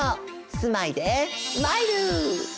住まいでスマイル！